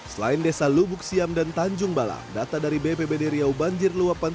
selain desa lubuk siam dan tanjung bala data dari bpbd riau banjir luapan